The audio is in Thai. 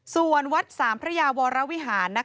ส่วนวัดสามพระยาวรวิหารนะครับ